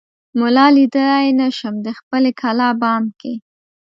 ملا ليدای نه شم دخپلې کلا بام کې